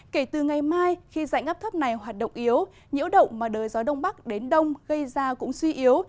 kể từ ngày mai khi dạnh ấp thấp này hoạt động yếu nhiễu động mà đời gió đông bắc đến đông gây ra cũng suy yếu